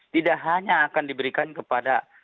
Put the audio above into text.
tidak hanya akan diberikan kepada